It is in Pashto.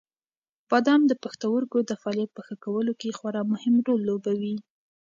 بادام د پښتورګو د فعالیت په ښه کولو کې خورا مهم رول لوبوي.